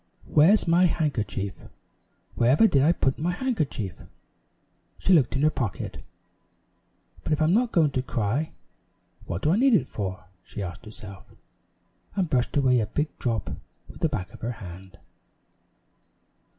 "Where's my handkerchief? Where ever did I put my handkerchief?" She looked in her pocket. "But if I'm not going to cry, what do I need it for?" she asked herself, and brushed away a big drop with the back of her hand.